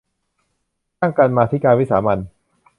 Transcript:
ตั้งกรรมาธิการวิสามัญ